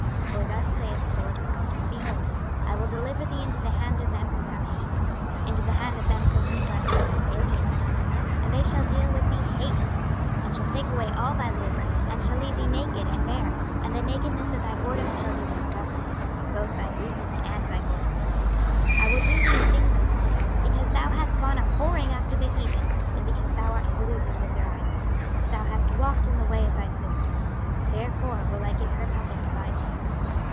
26:023:028 For thus saith the Lord GOD; Behold, I will deliver thee into the hand of them whom thou hatest, into the hand of them from whom thy mind is alienated: 26:023:029 And they shall deal with thee hatefully, and shall take away all thy labour, and shall leave thee naked and bare: and the nakedness of thy whoredoms shall be discovered, both thy lewdness and thy whoredoms. 26:023:030 I will do these things unto thee, because thou hast gone a whoring after the heathen, and because thou art polluted with their idols. 26:023:031 Thou hast walked in the way of thy sister; therefore will I give her cup into thine hand.